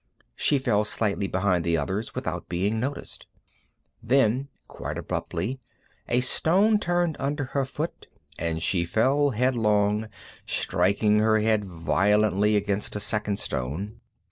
She fell slightly behind the others, without being noticed. Then quite abruptly a stone turned under her foot, and she fell headlong, striking her head violently against a second stone.